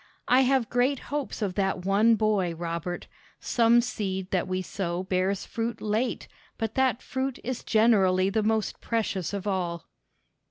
I have great hopes of that one boy, Robert. Some seed that we sow bears fruit late, but that fruit is generally the most precious of all."